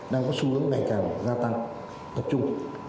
đang có xu hướng ngày càng gia tăng tập trung